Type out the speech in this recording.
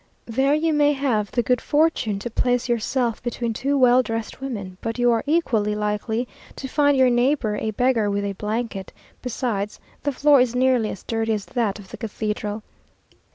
There you may have the good fortune to place yourself between two well dressed women, but you are equally likely to find your neighbour a beggar with a blanket; besides, the floor is nearly as dirty as that of the cathedral.